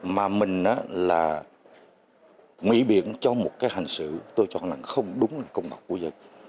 mà mình là mỹ biển cho một hành xử tôi chọn là không đúng công bậc của dân